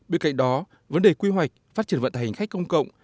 bên cạnh đó vấn đề quy hoạch phát triển vận tải hành khách công cộng